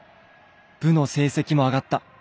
部の成績も上がった。